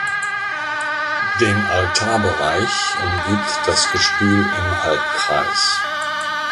Den Altarbereich umgibt das Gestühl im Halbkreis.